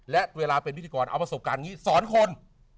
และเวลาเป็นพิธีกรเอาประสบการณ์อย่างนี้สอนคน